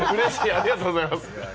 ありがとうございます。